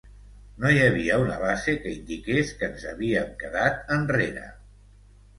No hi havia una base que indiqués que ens havíem quedat enrere.